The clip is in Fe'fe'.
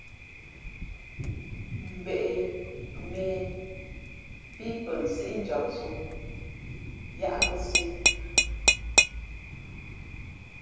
Mbᾱ ě, mᾱ ě pí pα nsíʼnjam ǒ yáʼbᾱ siē.